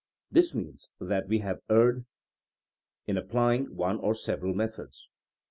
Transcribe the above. This means that we have erred in applying one or several methods.